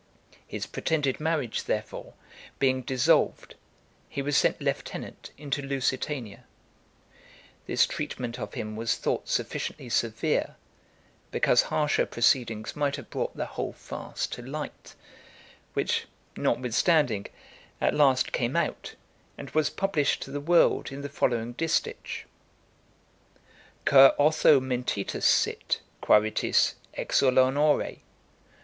His pretended marriage, therefore, being dissolved, he was sent lieutenant into Lusitania. This treatment of him was thought sufficiently severe, because harsher proceedings might have brought the whole farce to light, which, notwithstanding, at last came out, and was published to the world in the following distich: Cur Otho mentitus sit, quaeritis, exul honore?